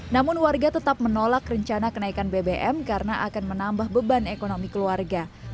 namun warga tetap menolak rencana kenaikan bbm karena akan menambah beban ekonomi keluarga